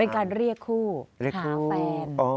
เป็นการเรียกคู่หาแฟน